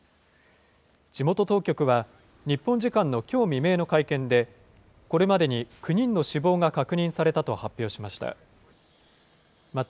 地元当局は、日本時間のきょう未明の会見で、これまでに９人の死亡が確認されたと発表しました。